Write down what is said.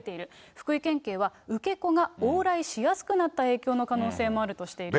福井県警は、受け子が往来しやすくなった影響の可能性もあるとしています。